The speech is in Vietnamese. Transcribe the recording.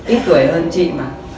ít tuổi hơn chị mà